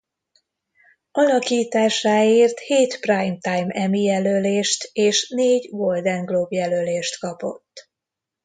Alakításáért hét Primetime Emmy-jelölést és négy Golden Globe-jelölést kapott.